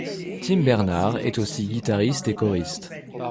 Tim Bernard est aussi guitariste et choriste.